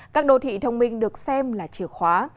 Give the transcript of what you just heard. các đô thị thông minh được xem là chìa khóa